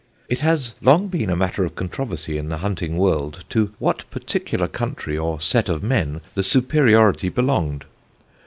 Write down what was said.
It has long been a matter of controversy in the hunting world to what particular country or set of men the superiority belonged.